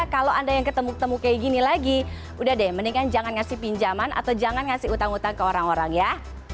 kalau anda yang ketemu ketemu kayak gini lagi udah deh mendingan jangan ngasih pinjaman atau jangan ngasih utang utang ke orang orang ya